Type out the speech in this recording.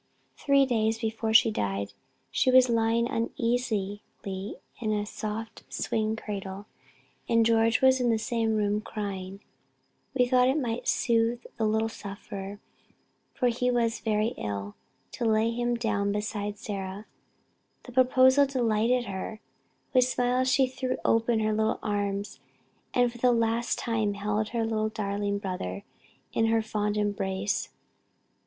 Three days before she died, she was lying uneasily in a large swing cradle, and George was in the same room crying. We thought it might soothe the little sufferer, for he also was very ill, to lay him down beside Sarah. The proposal delighted her; with smiles she threw open her little arms and for the last time held her darling brother in her fond embrace.